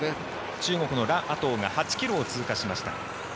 中国のラ・アトウが８ｋｍを通過しました。